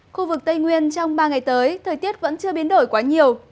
khu vực tây nguyên trong ba ngày tới thời tiết vẫn chưa biến đổi quá nhiều